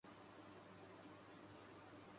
او بہن میری سمپل بات کرو جو عام لوگوں کو سمحجھ